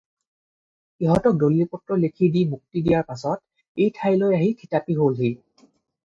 সিহঁতক দলিল পত্ৰ লেখি দি মুক্তি দিয়াৰ পাছত এই ঠাইলৈ আহি থিতাপি হ'লহি